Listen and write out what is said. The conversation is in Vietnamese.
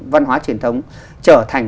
văn hóa truyền thống trở thành